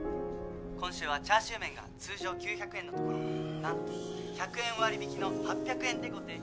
今週はチャーシュー麺が通常９００円のところ何と１００円割引の８００円でご提供